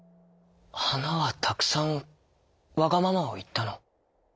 「はなはたくさんわがままをいったの？」。